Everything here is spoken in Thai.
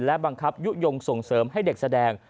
และบังคับยุโยงส่งเสริมให้เด็กแสดง